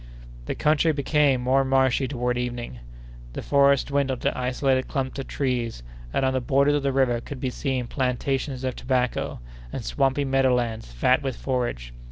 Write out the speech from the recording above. The country became more marshy toward evening; the forests dwindled to isolated clumps of trees; and on the borders of the river could be seen plantations of tobacco, and swampy meadow lands fat with forage.